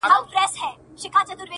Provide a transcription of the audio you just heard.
روغ زړه درواخله خدایه بیا یې کباب راکه؛